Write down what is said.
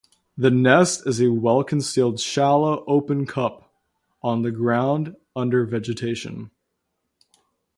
The nest is a well-concealed shallow open cup on the ground under vegetation.